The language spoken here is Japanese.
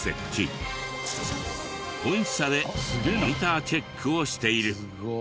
本社でモニターチェックをしている。